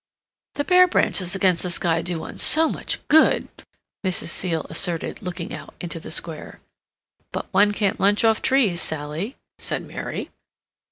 "The bare branches against the sky do one so much good," Mrs. Seal asserted, looking out into the Square. "But one can't lunch off trees, Sally," said Mary.